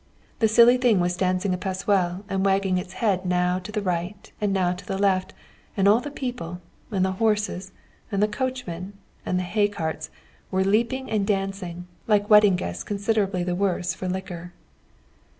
The silly thing was dancing a pas seul, and wagging its head now to the right, and now to the left, and all the people, and the horses, and the coachmen, and the hay carts were leaping and dancing, like wedding guests considerably the worse for liquor.